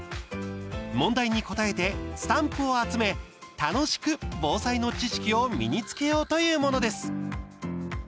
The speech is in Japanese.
問題に答えてスタンプを集め楽しく防災の知識を身につけようというものです。